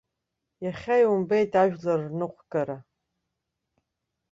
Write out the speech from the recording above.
Иахьа иумбеит ажәлар рныҟәгара!